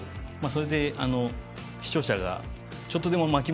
それで視聴者がちょっとでも。